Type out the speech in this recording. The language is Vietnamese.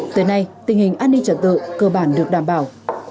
tới nay tình hình an ninh trật tự cơ bản được đảm bảo